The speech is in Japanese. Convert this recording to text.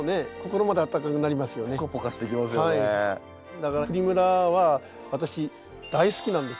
だからプリムラは私大好きなんです！